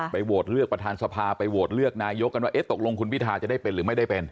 โหวตเลือกประธานสภาไปโหวตเลือกนายกกันว่าเอ๊ะตกลงคุณพิทาจะได้เป็นหรือไม่ได้เป็น